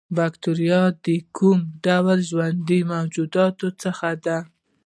باکتریا د کوم ډول ژوندیو موجوداتو څخه ده